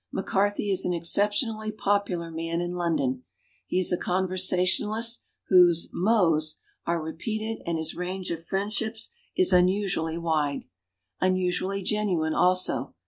MacCarthy is an excep tionally popular man in London. He is a conversationalist whose mots are repeated and his range of friendships is unusually wide. Unusually genuine, also.